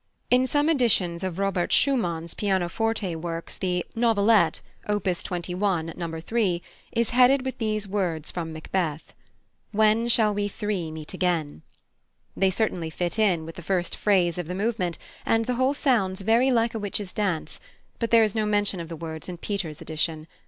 In some editions of +Robert Schumann's+ pianoforte works the "Novelette," op. 21, No. 3, is headed with these words from Macbeth: "When shall we three meet again?" They certainly fit in with the first phrase of the movement, and the whole sounds very like a witches' dance, but there is no mention of the words in Peters' edition.